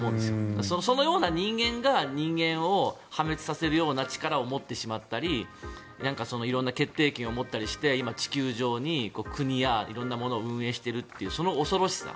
そのような人間が人間を破滅させるような力を持ってしまったり色んな決定権を持ったりして今、地球上に国や色んなものを運営しているというその恐ろしさ。